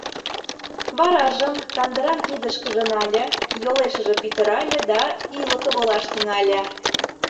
Варажым кандырам кидышкыже нале, йолешыже пӱтырале да ӱлыкӧ волаш тӱҥале.